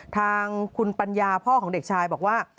ทางคุณปัญญาพ่อของเด็กชายบอกว่า